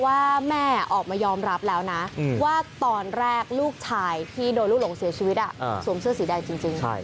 ว่าแม่ออกมายอมรับแล้วนะว่าตอนแรกลูกชายที่โดนลูกหลงเสียชีวิตสวมเสื้อสีแดงจริง